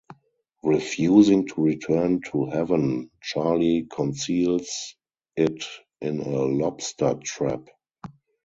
Refusing to return to Heaven, Charlie conceals it in a lobster trap.